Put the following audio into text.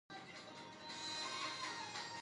د نېزاک هونيانو او لومړي تورک خاگانات له خوا بريالي شوي